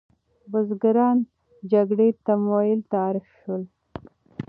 بزګران جګړې تمویل ته اړ شول.